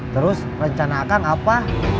terus rencana akan apa